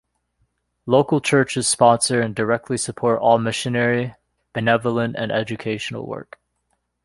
Local churches sponsor and directly support all missionary, benevolent, and educational work.